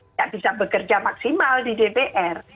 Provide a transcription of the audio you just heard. tidak bisa bekerja maksimal di dpr